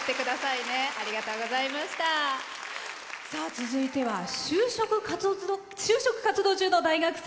続いては就職活動中の大学生。